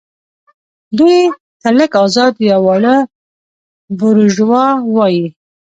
دوی ته لږ ازاد یا واړه بوروژوا وايي.